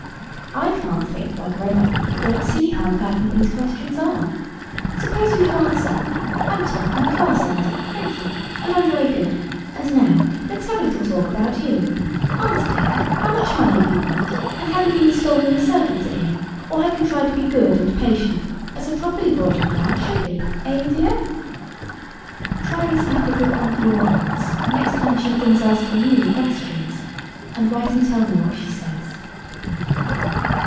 I can't think why grown up people don't see how impertinent these questions are. Suppose you were to answer, "I'm top of my class, Auntie, thank you, and I'm very good. And now let's have a little talk about you. Aunt, dear, how much money have you got, and have you been scolding the servants again, or have you tried to be good and patient as a properly brought up aunt should be, eh, dear?" [Illustration: MATILDA SWUNG HER LEGS MISERABLY.] Try this method with one of your aunts next time she begins asking you questions, and write and tell me what she says.